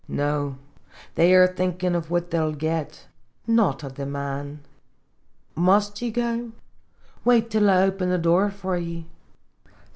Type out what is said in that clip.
No, they are thinkin' of what they '11 git, not of the man. " Must ye go? Wait till I open the door for ye.